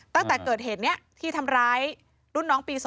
ตั้งแต่เกิดเหตุนี้ที่ทำร้ายรุ่นน้องปี๒